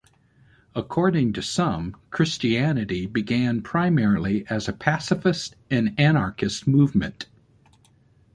According to some, Christianity began primarily as a pacifist and anarchist movement.